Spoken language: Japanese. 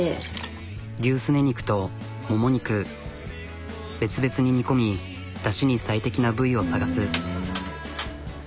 牛すね肉と別々に煮込みダシに最適な部位を探す。